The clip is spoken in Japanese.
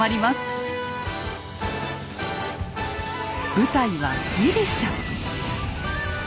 舞台はギリシャ。